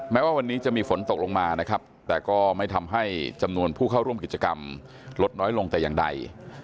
แม้ว่าวันนี้จะมีฝนตกลงมานะครับแต่ก็ไม่ทำให้จำนวนผู้เข้าร่วมกิจกรรมลดน้อยลงแต่อย่างใด